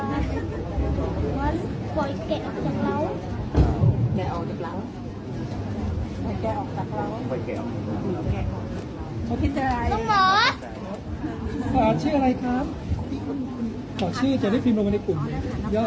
อ้อคือการหยุดใช่ไหมได้ได้ต้องปล่อยวาดปล่อย